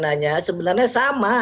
peradilan pidananya sebenarnya sama